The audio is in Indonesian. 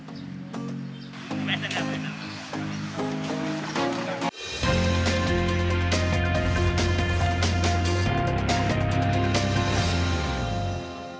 jangan lupa like subscribe dan share ya